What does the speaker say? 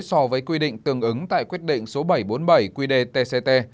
so với quy định tương ứng tại quyết định số bảy trăm bốn mươi bảy qdtct